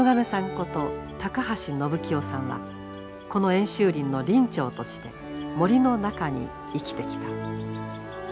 こと高橋延清さんはこの演習林の林長として森の中に生きてきた。